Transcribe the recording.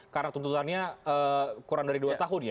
karena tuntutannya kurang dari dua tahun ya